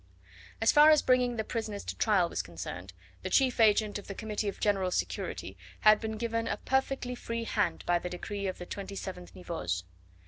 As far as the bringing of prisoners to trial was concerned, the chief agent of the Committee of General Security had been given a perfectly free hand by the decree of the 27th Nivose.